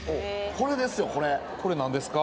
これこれ何ですか？